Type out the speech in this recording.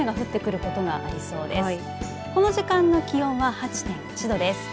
この時間は気温は８．１度です。